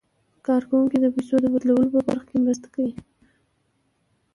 کارکوونکي د پيسو د بدلولو په برخه کې مرسته کوي.